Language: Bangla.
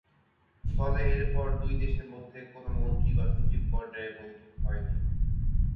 ফলে এরপর দুই দেশের মধ্যে কোন মন্ত্রী বা সচিব পর্যায়ে বৈঠক হয়নি।